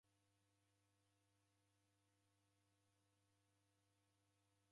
W'anyinyu w'adanizera niw'ifuye nguw'o